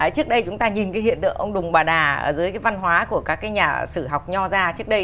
trước đây chúng ta nhìn cái hiện tượng ông đùng bà đà dưới cái văn hóa của các nhà sử học nho gia trước đây